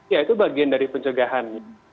ya itu bagian dari pencegahan